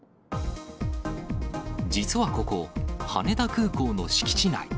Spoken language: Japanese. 実はここ、羽田空港の敷地内。